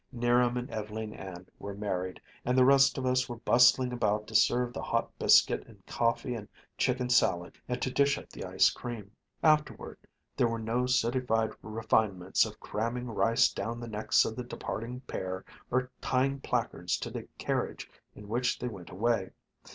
'Niram and Ev'leen Ann were married, and the rest of us were bustling about to serve the hot biscuit and coffee and chicken salad, and to dish up the ice cream. Afterward there were no citified refinements of cramming rice down the necks of the departing pair or tying placards to the carriage in which they went away.